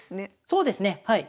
そうですねはい。